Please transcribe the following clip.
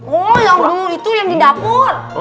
oh iya itu yang di dapur